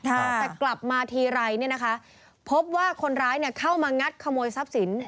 แต่กลับมาทีไร้พบว่าคนร้ายเข้ามางัดขโมยทรัพย์สิน